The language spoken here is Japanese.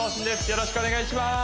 よろしくお願いします